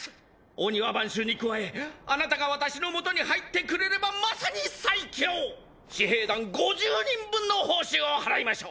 御庭番衆に加えあなたが私の下に入ってくれればまさに最強！私兵団５０人分の報酬を払いましょう。